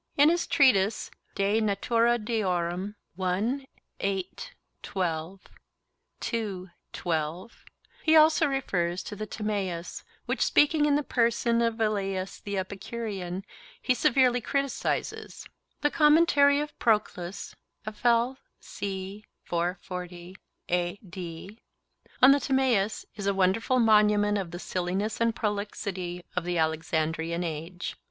In his treatise De Natura Deorum, he also refers to the Timaeus, which, speaking in the person of Velleius the Epicurean, he severely criticises. The commentary of Proclus on the Timaeus is a wonderful monument of the silliness and prolixity of the Alexandrian Age.